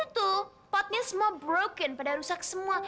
itu potnya semua broken pada rusak semua